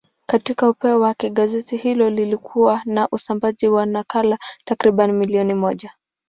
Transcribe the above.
Katika upeo wake, gazeti hilo lilikuwa na usambazaji wa nakala takriban milioni moja.